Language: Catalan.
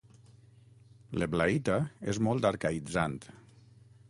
L'eblaïta és molt arcaïtzant.